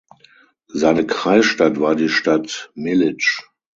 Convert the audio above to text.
Seine Kreisstadt war die Stadt Militsch.